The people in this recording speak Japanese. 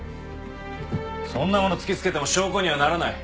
そんなもの突きつけても証拠にはならない！